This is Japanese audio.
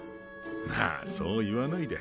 まあそう言わないで。